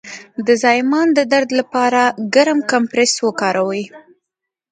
د زایمان د درد لپاره ګرم کمپرس وکاروئ